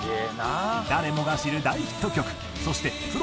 誰もが知る大ヒット曲そしてプロ